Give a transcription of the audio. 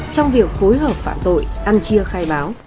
trong việc phối hợp phạm tội ăn chia khai báo